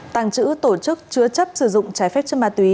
tàng trữ tổ chức chứa chấp sử dụng trái phép chân bà túy